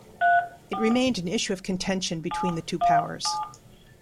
It remained an issue of contention between the two powers.